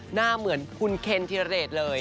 หน้าเหมือนคุณเคนธิรเดชเลย